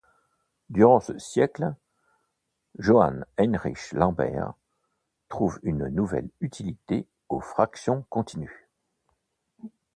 Durant ce siècle, Johann Heinrich Lambert trouve une nouvelle utilité aux fractions continues.